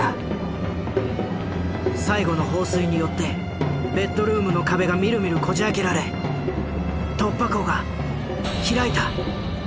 最後の放水によってベッドルームの壁がみるみるこじ開けられ突破口が開いた。